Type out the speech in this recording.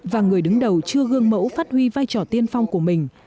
và người đứng đầu chưa gương mẫu phát huy vai trò tiên phong của mình